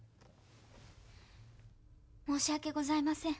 申し訳ございません。